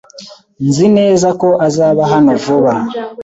Nzi neza ko azaba hano vuba.